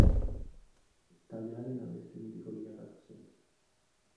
Taldearen abesti mitiko bilakatu zen.